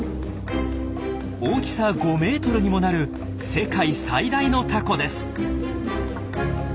大きさ５ｍにもなる世界最大のタコです。